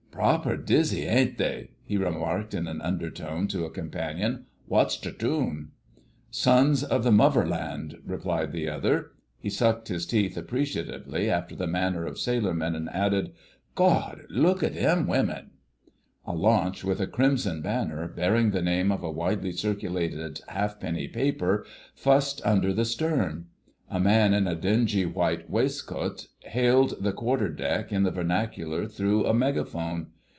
"Proper dizzy, ain't they?" he remarked in an undertone to a companion. "Wot's the toon?" "Sons of the Muvverland," replied the other. He sucked his teeth appreciatively, after the manner of sailor men, and added, "Gawd! Look at them women!..." A launch with a crimson banner, bearing the name of a widely circulated halfpenny paper, fussed under the stern. A man in a dingy white waistcoat hailed the quarter deck in the vernacular through a megaphone.